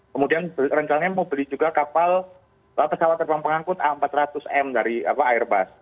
kemudian rencananya mau beli juga kapal pesawat terbang pengangkut a empat ratus m dari airbus